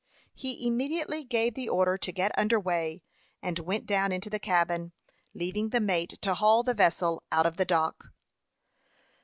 He immediately gave the order to get under way, and went down into the cabin, leaving the mate to haul the vessel out of the dock.